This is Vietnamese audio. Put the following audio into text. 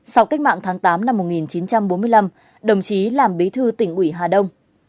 sau cách mạng tháng tám năm một nghìn chín trăm bốn mươi năm đồng chí làm bí thư tỉnh ủy hà đông